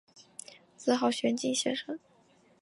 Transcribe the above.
自号玄静先生。